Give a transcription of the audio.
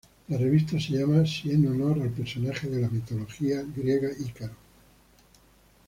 La revista se llama si en honor al personaje de la mitología griega Ícaro.